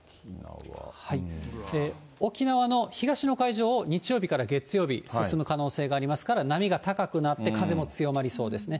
沖縄の東の海上を日曜日から月曜日、進む可能性がありますから、波が高くなって、風も強まりそうですね。